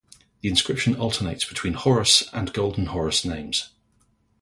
The inscription alternates between Horus and Golden Horus names.